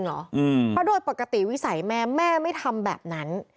เพราะโดยปกติวิสัยแม่แม่ไม่ทำแบบนั้น